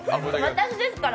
私ですから。